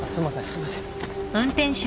すいません。